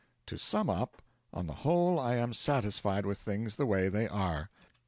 To sum up, on the whole I am satisfied with things the way they are.